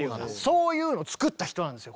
そういうの作った人なんですよ